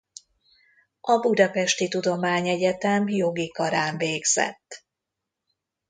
A budapesti tudományegyetem jogi karán végzett.